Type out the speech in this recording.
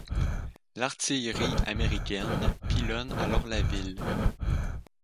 L'artillerie américaine pilonne alors la ville.